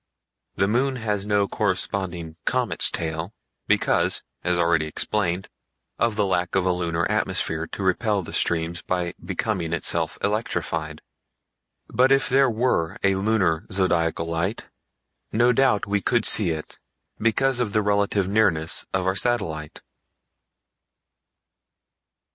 The moon has no corresponding "comet's tail" because, as already explained, of the lack of a lunar atmosphere to repel the streams by becoming itself electrified; but if there were a lunar Zodiacal Light, no doubt we could see it because of the relative nearness of our satellite.